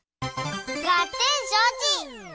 がってんしょうち！